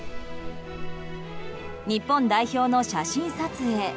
日本代表の写真撮影。